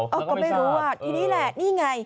ก็ไม่รู้ว่าทีนี้แหละนี่ไง